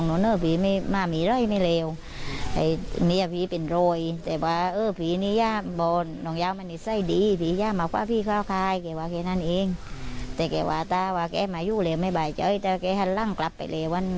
ก็อยู่ไม่ได้นะเพราะปีก็มีแฟนไม่ไปเลย